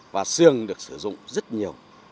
và sườn được sử dụng rất nhiều